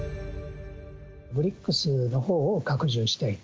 ＢＲＩＣＳのほうを拡充したい。